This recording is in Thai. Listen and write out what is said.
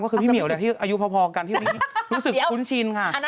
ก็คือพี่เมียวแล้วที่อายุพอกันที่วันนี้รู้สึกคุ้นชินค่ะ